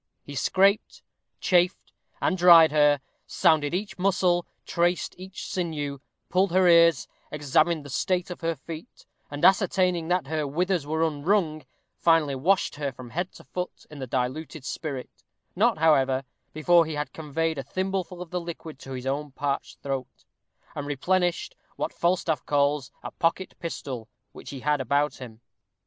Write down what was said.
He scraped, chafed, and dried her, sounded each muscle, traced each sinew, pulled her ears, examined the state of her feet, and, ascertaining that her "withers were un wrung," finally washed her from head to foot in the diluted spirit, not, however, before he had conveyed a thimbleful of the liquid to his own parched throat, and replenished what Falstaff calls a "pocket pistol," which he had about him.